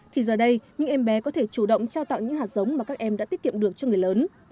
thì giờ đây những em bé có thể chủ động trao tặng những hạt giống mà các em đã tiết kiệm được cho người lớn